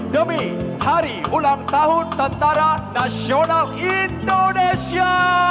demi hari ulang tahun tentara nasional indonesia